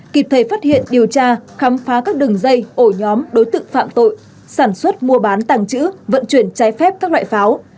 kịp thời phát hiện điều tra khám phá các đường dây ổ nhóm đối tượng phạm tội sản xuất mua bán tàng trữ vận chuyển trái phép các loại pháo